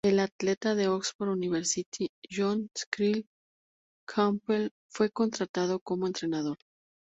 El atleta de Oxford University John Cyril Campbell fue contratado como entrenador.